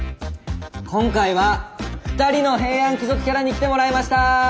今回は２人の平安貴族キャラに来てもらいました。